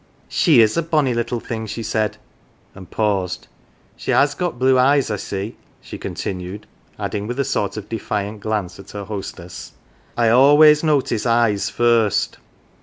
"She is a bonny little thing," she said, and paused. " She has got blue eyes, I see," she continued, adding with a sort of defiant glance at her hostess ;" I always notice eyes first."